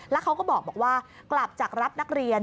แล้วเขาก็บอกว่ากลับจากรับนักเรียน